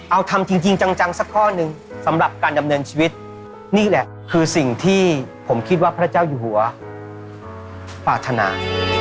เอาทำจริงจังสักข้อหนึ่งสำหรับการดำเนินชีวิตนี่แหละคือสิ่งที่ผมคิดว่าพระเจ้าอยู่หัวปรารถนา